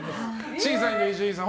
審査員の伊集院さん